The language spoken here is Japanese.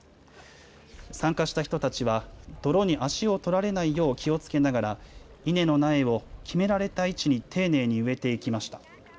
参加した人たちは泥に足を取られないよう気をつけながら稲の苗を決められた位置に丁寧に植えていきました。